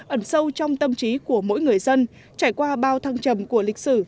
ẩn sâu trong tâm trí của mỗi người dân trải qua bao thăng trầm của lịch sử